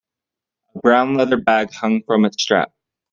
A brown leather bag hung from its strap.